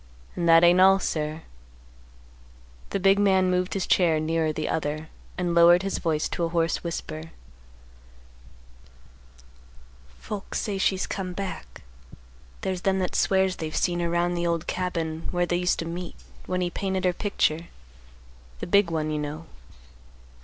"And that ain't all, sir." The big man moved his chair nearer the other, and lowered his voice to a hoarse whisper; "Folks say she's come back. There's them that swears they've seen her 'round the old cabin where they used to meet when he painted her picture, the big one, you know.